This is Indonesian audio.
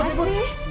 ada apa sih